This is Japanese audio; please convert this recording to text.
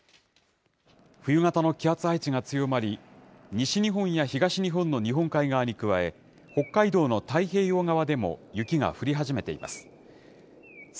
冬型の気圧配置が強まり、西日本や東日本の日本海側に加え、北海道の太平洋側でも雪が降り始めています。